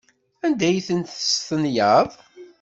Anda ay ten-testenyaḍ?